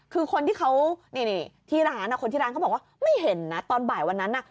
คือคนที่เขาที่ร้านเขาบอกว่าไม่เห็นตอนบ่ายวันหน้า